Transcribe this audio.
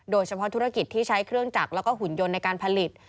โดยเฉพาะธุรกิจที่ใช้เครื่องจักรแล้วก็หุ่นยนต์ในการผลิต